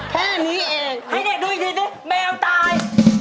แค่นี้เองให้เด็กดูอีกทีดิแมวตาย